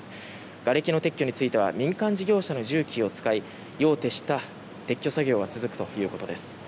がれきの撤去については民間事業者の重機を使い夜を徹した撤去活動が続くということです。